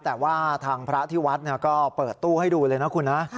แต่ว่าทางพระที่วัดก็เปิดตู้ให้ดูเลยนะคุณนะ